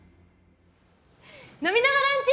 飲みながランチ！